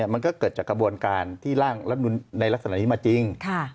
มันก็เกิดจากกระบวนการที่ร่างรัฐนุนในลักษณะนี้มาจริง